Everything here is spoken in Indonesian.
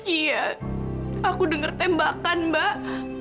iya aku dengar tembakan mbak